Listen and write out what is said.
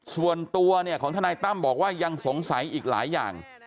ส่วนตัวของทนายตั้มบอกว่ายังสงสัยอีกหลายอย่าง